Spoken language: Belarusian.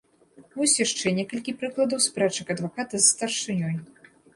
Вось яшчэ некалькі прыкладаў спрэчак адваката з старшынёй.